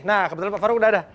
nah kebetulan pak farouk sudah ada